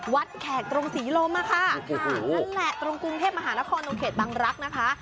วัดแขกตรงศรีลมนั่นแหละตรงกรุงเทพมหานครโรงเขตบังรักษ์